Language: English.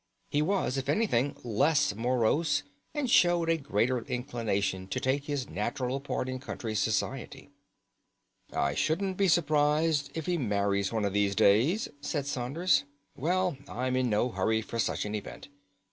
He was, if anything, less morose, and showed a greater inclination to take his natural part in country society. "I shouldn't be surprised if he marries one of these days," said Saunders. "Well, I'm in no hurry for such an event.